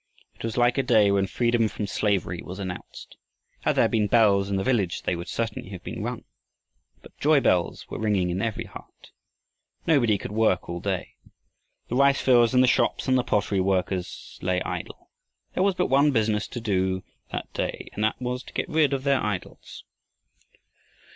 It was like a day when freedom from slavery was announced. Had there been bells in the village they would certainly have been rung. But joy bells were ringing in every heart. Nobody could work all day. The rice fields and the shops and the pottery works lay idle. There was but one business to do that day, and that was to get rid of their idols.